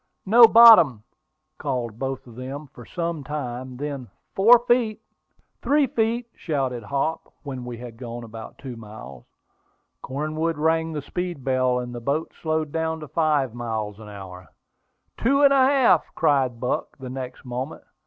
"No bottom!" called both of them, for some time; then, "Four feet." "Three feet!" shouted Hop, when we had gone about two miles. Cornwood rang the speed bell, and the boat slowed down to five miles an hour. "Two feet and a half!" cried Buck, the next moment.